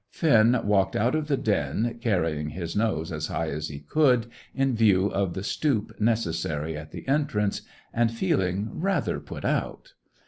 Finn walked out of the den, carrying his nose as high as he could, in view of the stoop necessary at the entrance, and feeling rather put out.